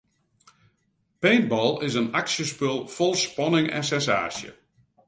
Paintball is in aksjespul fol spanning en sensaasje.